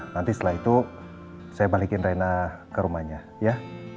nanti setelah itu saya balikin raina ke rumahnya ya